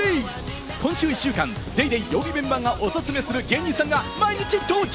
今週１週間、『ＤａｙＤａｙ．』曜日メンバーがおすすめする芸人さんが毎日登場！